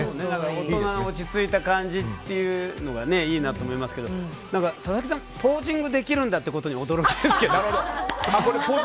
大人の落ち着いた感じがいいなと思いますけど佐々木さんポージングできるんだってことに驚きですけど。